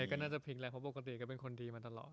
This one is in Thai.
ก็น่าจะพลิกแล้วเพราะปกติก็เป็นคนดีมาตลอด